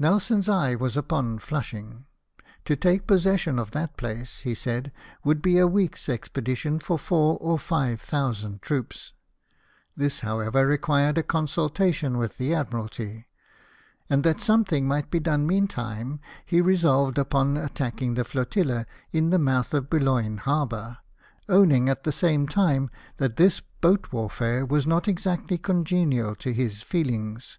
Nelson's eye was upon Flushing. '' To take pos session of that place," he said, "would be a week's expedition for four or five thousand troops." This, however, required a consultation with the Admiralty ; and that something might be done meantime he resolved upon attacking the Flotilla in the mouth of Boulogne Harbour, owning at the same time that this boat warfare was not exactly congenial to his feelings.